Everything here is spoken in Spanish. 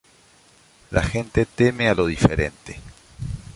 La gente teme a lo diferente.